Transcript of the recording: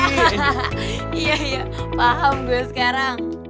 iya iya paham gua sekarang